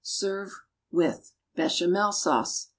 Serve with =BECHAMEL SAUCE.